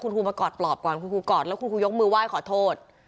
คุณครูมากอดปลอบก่อนคุณครูกอดแล้วคุณครูยกมือไหว้ขอโทษ